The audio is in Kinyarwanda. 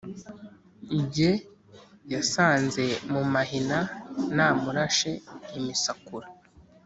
Jye yasanze mu mahina namurashe imisakura,